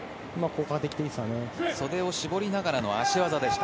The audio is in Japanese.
袖を絞りながらの足技でした。